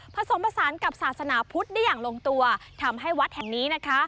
ผสมผสานกับศาสนาพุทธได้อย่างลงตัวทำให้วัดแห่งนี้นะคะ